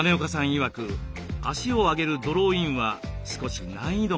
いわく足を上げるドローインは少し難易度が高いそうです。